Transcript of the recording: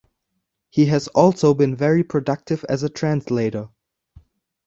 He has also been very productive as a translator.